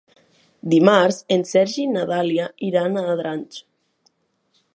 Dimarts en Sergi i na Dàlia iran a Andratx.